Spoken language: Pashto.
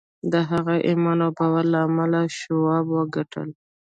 د هغه ایمان او باور له امله شواب وګټل